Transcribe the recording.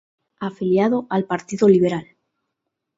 Afiliado al Partido Liberal.